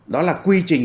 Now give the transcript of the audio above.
đó là quy trình